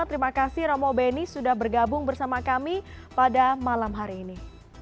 terima kasih romo beni sudah bergabung bersama kami pada malam hari ini